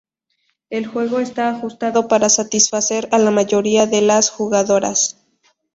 El juego está ajustado para satisfacer a la mayoría de las jugadoras.